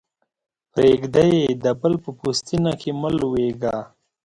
پرېږده يې؛ د بل په پوستينه کې مه لویېږه.